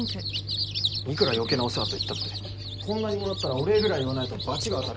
いくら余計なお世話といったってこんなにもらったらお礼ぐらい言わないと罰が当たるだろ。